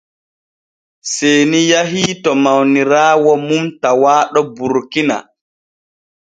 Seeni yahii to mawniraawo mum tawaaɗo Burkina.